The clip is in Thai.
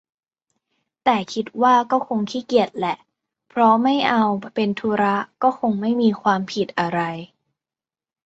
แต่คิดว่าก็คงขี้เกียจแหละ เพราะไม่เอาเป็นธุระก็คงไม่มีความผิดอะไร